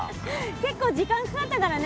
結構時間かかったからね